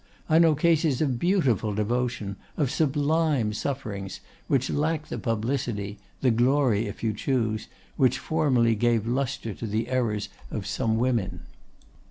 I know cases of beautiful devotion, of sublime sufferings, which lack the publicity—the glory, if you choose—which formerly gave lustre to the errors of some women.